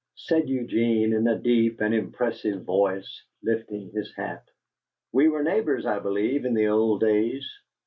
said Eugene, in a deep and impressive voice, lifting his hat. "We were neighbors, I believe, in the old days."